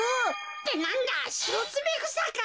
ってなんだシロツメクサか。